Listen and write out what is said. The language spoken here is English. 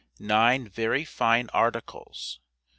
NINE VERY FINE "ARTICLES."